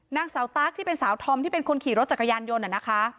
นางสาวตั๊กที่เป็นสาวธอมที่เป็นคนขี่รถจักรยานยนต์น่ะนะคะ